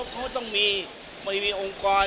เขาต้องมีไม่มีองค์กร